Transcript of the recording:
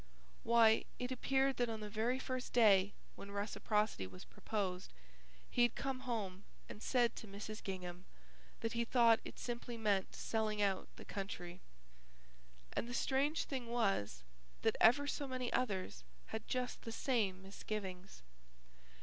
Why, it appeared that on the very first day when reciprocity was proposed, he had come home and said to Mrs. Gingham that he thought it simply meant selling out the country. And the strange thing was that ever so many others had just the same misgivings.